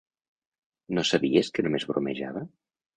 No sabies que només bromejava?